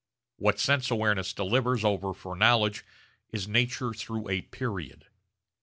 What sense awareness delivers over for knowledge is nature through a period.